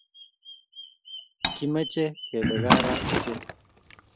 Kimache kebe kaa raa ochen